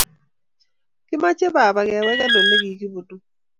Kimoche baba kewegen olekigibunu